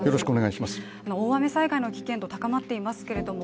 大雨災害の危険度が高まっていますけれども、